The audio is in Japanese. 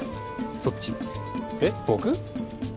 そっちえっ僕？